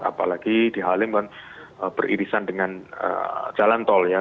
apalagi di halim kan beririsan dengan jalan tol ya